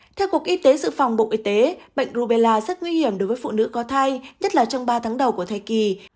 theo cục y tế dự phòng bộ y tế bệnh rubella rất nguy hiểm đối với phụ nữ có thai nhất là trong ba tháng đầu của thời kỳ